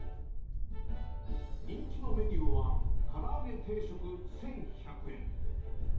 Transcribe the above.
人気のメニューは、からあげ定食１１００円。